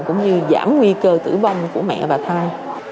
chờ tử vong của mẹ và thai